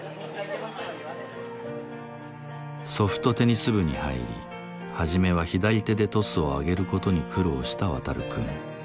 ソフトテニス部に入り初めは左手でトスを上げることに苦労したワタル君。